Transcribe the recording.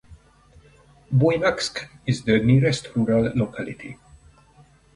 Buynaksk is the nearest rural locality.